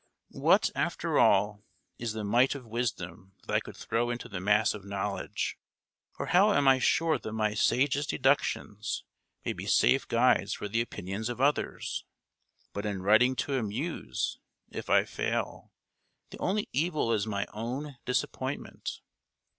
What, after all, is the mite of wisdom that I could throw into the mass of knowledge? or how am I sure that my sagest deductions may be safe guides for the opinions of others? But in writing to amuse, if I fail, the only evil is my own disappointment.